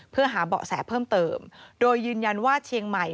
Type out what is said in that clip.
เพื่อหาเบาะแสเพิ่มเติมโดยยืนยันว่าเชียงใหม่